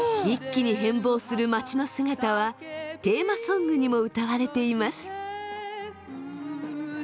一気に変貌する街の姿はテーマソングにも歌われています。